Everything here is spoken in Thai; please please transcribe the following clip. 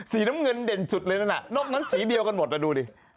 น้ำเงินเด่นจุดเลยนั่นน่ะนอกนั้นสีเดียวกันหมดนะดูดิ